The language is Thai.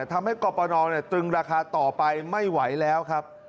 กรปนตรึงราคาต่อไปไม่ไหวแล้วครับ